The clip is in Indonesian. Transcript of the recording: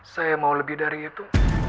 saya mau lebih dari itu